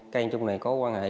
cài văn trung này có quan hệ